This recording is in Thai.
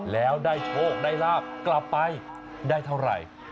แล้วได้โชคได้ลาบกลับไปได้เท่าไหร่